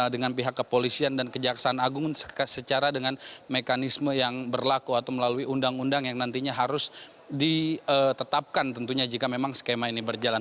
dengan pihak kepolisian dan kejaksaan agung secara dengan mekanisme yang berlaku atau melalui undang undang yang nantinya harus ditetapkan tentunya jika memang skema ini berjalan